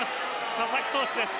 佐々木投手です。